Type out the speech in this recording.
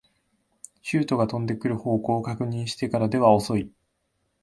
シュートが飛んでくる方向を確認してからでは遅い